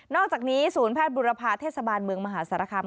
อกจากนี้ศูนย์แพทย์บุรพาเทศบาลเมืองมหาสารคาม